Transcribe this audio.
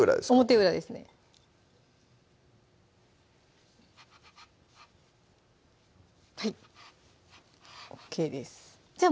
表裏ですねはいＯＫですじゃあ